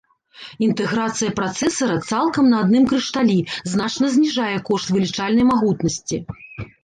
Інтэграцыя працэсара цалкам на адным крышталі значна зніжае кошт вылічальнай магутнасці.